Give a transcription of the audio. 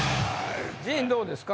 陣どうですか？